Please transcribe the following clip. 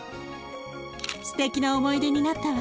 すてきな思い出になったわ。